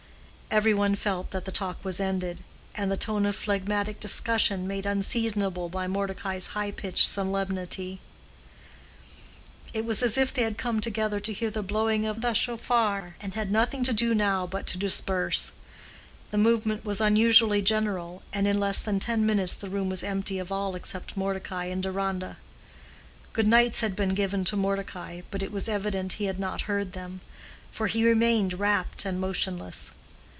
Every one felt that the talk was ended, and the tone of phlegmatic discussion made unseasonable by Mordecai's high pitched solemnity. It was as if they had come together to hear the blowing of the shophar, and had nothing to do now but to disperse. The movement was unusually general, and in less than ten minutes the room was empty of all except Mordecai and Deronda. "Good nights" had been given to Mordecai, but it was evident he had not heard them, for he remained rapt and motionless.